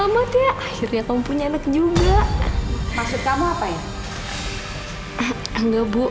makasih ya makasih ya